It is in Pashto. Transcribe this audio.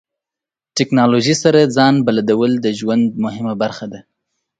ټکنالوژي سره ځان بلدول د ژوند مهمه برخه ده.